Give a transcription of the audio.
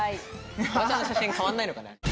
フワちゃんの写真変わんないのかね。